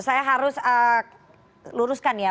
saya harus luruskan ya